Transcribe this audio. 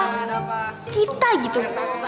bukan kita gitu